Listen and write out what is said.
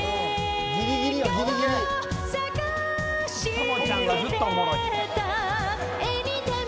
朋ちゃんがずっとおもろい。